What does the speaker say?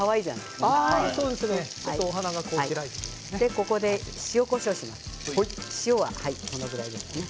ここで塩こしょうしますね。